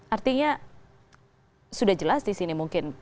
artinya sudah jelas di sini mungkin